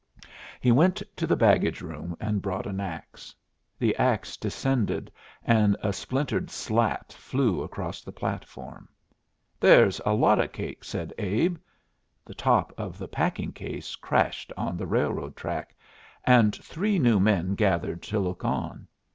He went to the baggage room and brought an axe. The axe descended, and a splintered slat flew across the platform. "There's a lot of cake," said Abe. The top of the packing case crashed on the railroad track, and three new men gathered to look on.